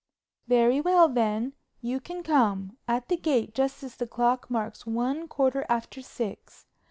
"Very well, then, you can come—at the gate just as the clock marks one quarter after six.